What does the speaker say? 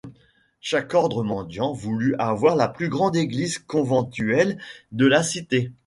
Chaque ordre mendiant voulut avoir la plus grande église conventuelle de la cité.